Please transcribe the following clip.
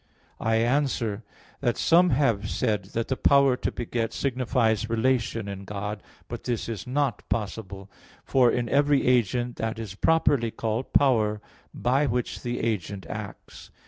I answer that, Some have said that the power to beget signifies relation in God. But this is not possible. For in every agent, that is properly called power, by which the agent acts.